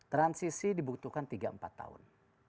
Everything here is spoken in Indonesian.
transisi dibutuhkan tiga empat tahun